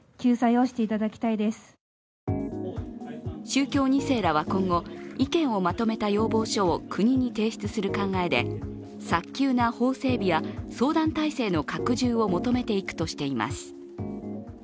宗教２世らは今後、意見をまとめた要望書を国に提出する考えで早急な法整備や相談体制の拡充を求めていくとしています。